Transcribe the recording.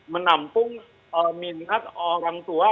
menampung minat orang tua